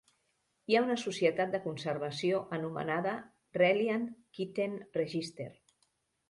Hi ha una "societat de conservació" anomenada Reliant Kitten Register.